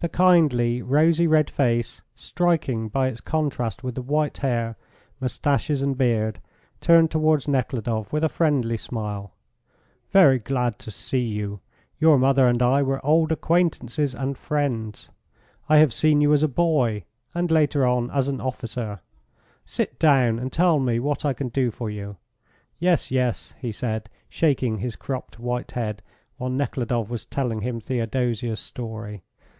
The kindly, rosy red face, striking by its contrast with the white hair, moustaches, and beard, turned towards Nekhludoff with a friendly smile. "Very glad to see you. Your mother and I were old acquaintances and friends. I have seen you as a boy, and later on as an officer. Sit down and tell me what I can do for you. Yes, yes," he said, shaking his cropped white head, while Nekhludoff was telling him Theodosia's story.